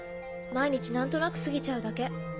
毎日何となく過ぎちゃうだけ。